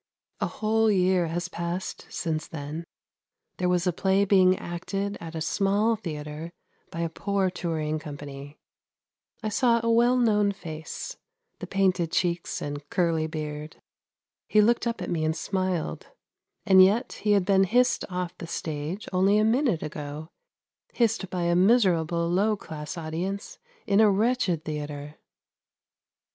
" A whole year has passed since then. There was a play being acted at a small theatre by a poor touring company, I saw a well known face, the painted cheeks and curly beard. He looked up at me and smiled; and yet he had been hissed 250 ANDERSEN'S FAIRY TALES off the stage only a minute ago; hissed by a miserable, low class audience in a wretched theatre